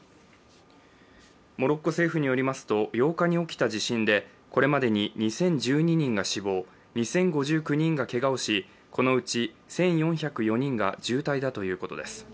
モロッコ政府によりますと８日に起きた地震でこれまでに２０１２人が死亡２０５９人がけがをし、このうち１４０４人が重体だということです。